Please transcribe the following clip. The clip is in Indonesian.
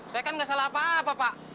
saya kan nggak salah apa apa pak